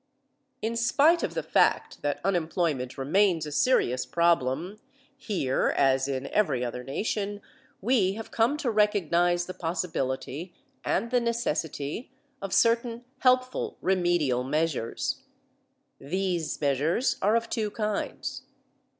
In spite of the fact that unemployment remains a serious problem here as in every other nation, we have come to recognize the possibility and the necessity of certain helpful remedial measures. These measures are of two kinds.